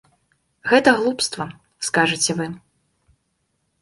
Гэта глупства, скажаце вы.